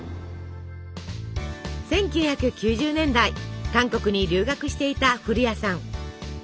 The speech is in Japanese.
１９９０年代韓国に留学していた古家さん。